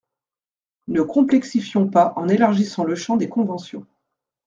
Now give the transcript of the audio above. Ne complexifions pas en élargissant le champ des conventions.